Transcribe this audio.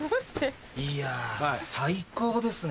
いや最高ですね。